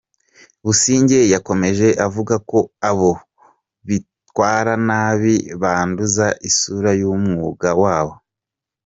Busingye yakomeje avuga ko abo bitwara nabi banduza isura y’umwuga wabo.